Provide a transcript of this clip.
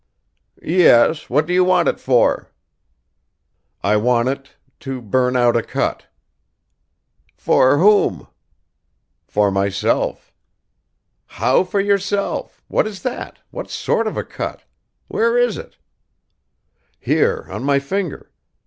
"Yes; what do you want it for?" "I want it ... to burn out a cut." "For whom?" "For myself." "How for yourself? What is that? What sort of a cut? Where is it?" "Here, on my finger.